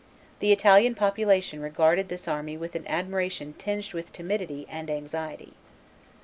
The Italian population regarded this army with an admiration tinged with timidity and anxiety.